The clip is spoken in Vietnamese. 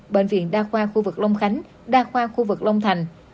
bệnh viện đa khoa khu vực long khánh đa khoa khu vực long thành